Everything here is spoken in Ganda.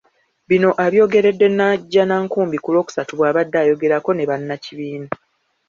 Bino abyogeredde Najjanankumbi ku Lwokusatu bw'abadde ayogerako ne bannakibiina.